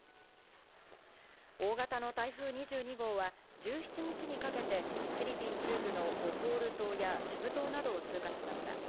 大型の台風２２号は１７日にかけてフィリピン中部のボホール島やセブ島などを通過しました。